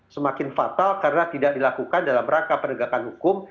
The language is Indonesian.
semakin fatal karena tidak dilakukan dalam rangka penegakan hukum